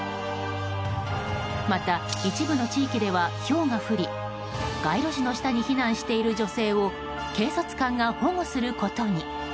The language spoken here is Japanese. また、一部の地域ではひょうが降り街路樹の下に避難している女性を警察官が保護することに。